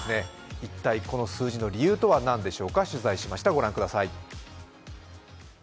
一体この数字の理由とは何でしょうか、取材しました。